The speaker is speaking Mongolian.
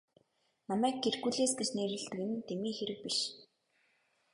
Намайг Геркулес гэж нэрлэдэг нь дэмий хэрэг биш.